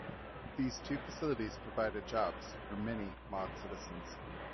These two facilities provided jobs for many Maud citizens.